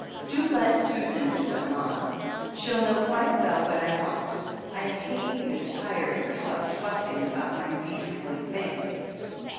"Do let Susan do it, mama. She'll know quite well what I want. I hate you to tire yourself fussing about my beastly things."